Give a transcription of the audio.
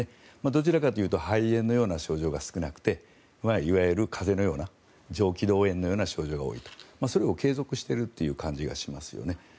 どちらかというと肺炎のような症状が少なくていわゆる風邪のような上気道炎のような症状が多いとそれが継続している感じがしますよね。